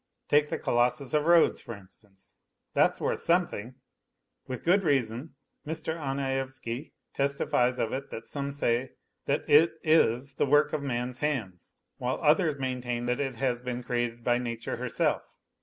Take the Colossus of Rhodes, for instance, that's worth something. With good reason Mr. Anaevsky testifies of it that some say that it is the work of man's hands, while others maintain that it has been created by nature herself.